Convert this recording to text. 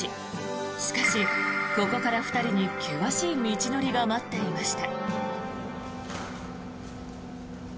しかし、ここから２人に険しい道のりが待っていました。